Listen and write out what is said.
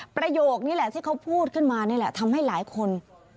ประโยคนี้แหละที่เขาพูดขึ้นมานี่แหละทำให้หลายคน